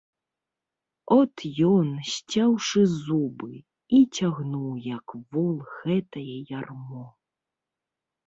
От ён, сцяўшы зубы, і цягнуў, як вол, гэтае ярмо.